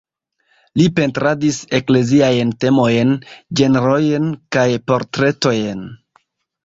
Li pentradis ekleziajn temojn, ĝenrojn kaj portretojn.